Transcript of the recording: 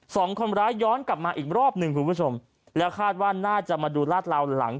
สองคนร้ายย้อนกลับมาอีกรอบหนึ่งคุณผู้ชมแล้วคาดว่าน่าจะมาดูลาดเหลาหลัง